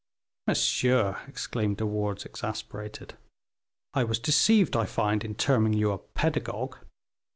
"Monsieur," exclaimed De Wardes, exasperated, "I was deceived, I find, in terming you a pedagogue.